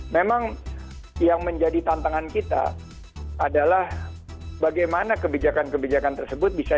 memang yang menjadi tantangan kita adalah bagaimana kebijakan kebijakan tersebut bisa